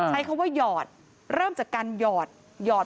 ใช้คำว่าหยอดเริ่มจากการหยอดหยอด